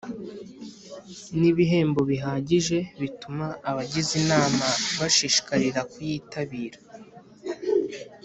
Nibihembo bihagije bituma abagize inama bashishikarira kuyitabira